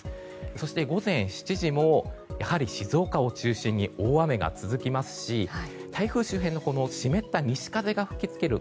そして、午前７時もやはり静岡を中心に大雨が続きますし、台風周辺の湿った西風が吹き付ける